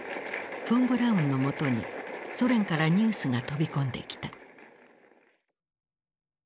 フォン・ブラウンのもとにソ連からニュースが飛び込んできた。